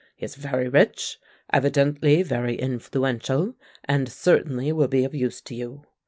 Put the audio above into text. He is very rich, evidently very influential, and certainly will be of use to you.